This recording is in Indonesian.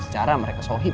secara mereka sohib